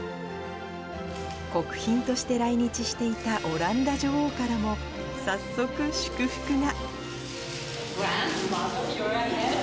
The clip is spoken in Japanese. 国賓として来日していたオランダ女王からも、早速、祝福が。